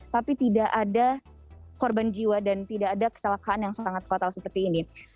tapi tidak ada korban jiwa dan tidak ada kecelakaan yang sangat fatal seperti ini